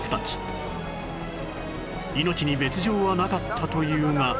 命に別条はなかったというが